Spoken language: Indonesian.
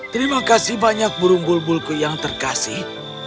terima kasih banyak burung bulbulku yang terkasih